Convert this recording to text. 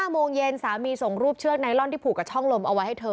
โมงเย็นสามีส่งรูปเชือกไนลอนที่ผูกกับช่องลมเอาไว้ให้เธอ